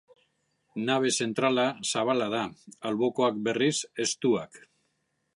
Nabe zentrala zabala da, albokoak berriz, estuak.